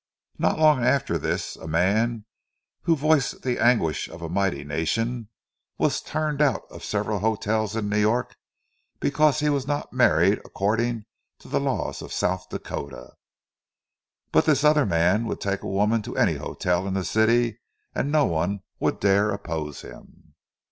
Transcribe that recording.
Not long after this a man who voiced the anguish of a mighty nation was turned out of several hotels in New York because he was not married according to the laws of South Dakota; but this other man would take a woman to any hotel in the city, and no one would dare oppose him!